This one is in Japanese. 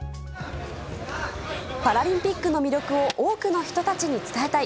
パラリンピックの魅力を多くの人たちに伝えたい。